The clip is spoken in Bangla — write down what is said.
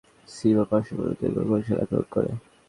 সিবা পার্শ পরিবর্তন করে কৌশলী আক্রমণ করে।